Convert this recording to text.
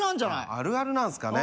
あるあるなんすかね